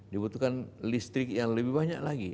dibutuhkan listrik yang lebih banyak lagi